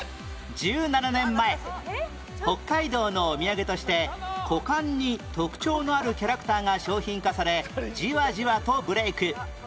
１７年前北海道のお土産として股間に特徴のあるキャラクターが商品化されじわじわとブレーク